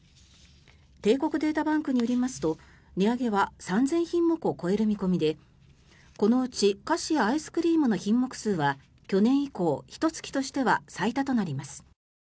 帝国データバンクによりますと値上げは３０００品目を超える見込みでこのうち菓子やアイスクリームの品目数は去年以降、ひと月としては最多となります。